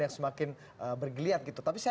yang semakin bergeliat gitu tapi saya